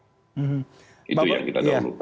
itu yang kita doakan